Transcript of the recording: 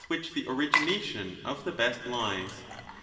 i8 1190* which the origination of the best lies.